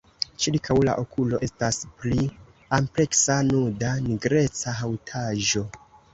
Ĉirkaŭ la okulo estas pli ampleksa nuda nigreca haŭtaĵo.